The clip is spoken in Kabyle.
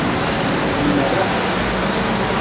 Nmerreḥ.